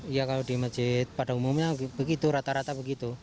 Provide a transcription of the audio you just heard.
ya kalau di masjid pada umumnya begitu rata rata begitu